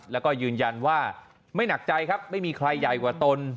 แล้วก็ยืนยันว่าไม่หนักใจครับไม่มีใครใหญ่กว่าตน